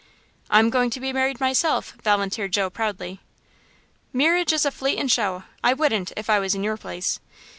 "I'm going to be married myself," volunteered Joe, proudly. "Merriage is a fleetin' show I wouldn't, if I was in your place.